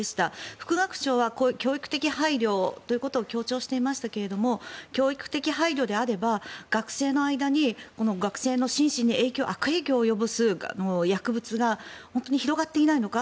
副学長は教育的配慮ということを強調していましたが教育的配慮であれば学生の間に学生の心身に悪影響を及ぼす薬物が本当に広がっていないのか